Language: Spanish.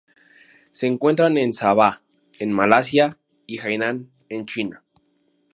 Se encuentra en Sabah en Malasia y Hainan en China.